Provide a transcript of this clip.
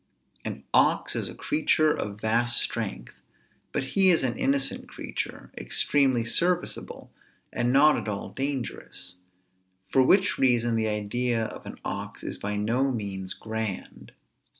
An ox is a creature of vast strength; but he is an innocent creature, extremely serviceable, and not at all dangerous; for which reason the idea of an ox is by no means grand.